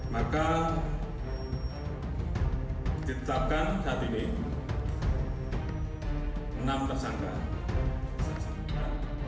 maka ditetapkan saat ini enam tersangka